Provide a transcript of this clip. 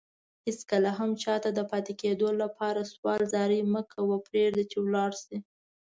هيڅ کله هم چاته دپاتي کيدو لپاره سوال زاری مکوه پريږده چي لاړشي